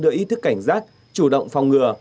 đợi ý thức cảnh giác chủ động phòng ngừa